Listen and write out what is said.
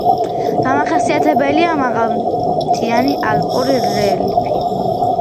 დამახასიათებელია მაღალმთიანი ალპური რელიეფი.